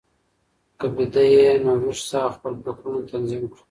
که بیده یې، نو ویښ شه او خپل فکرونه تنظیم کړه.